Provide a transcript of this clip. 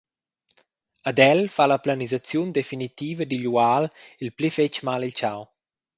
Ad el fa la planisaziun definitiva digl ual il pli fetg mal il tgau.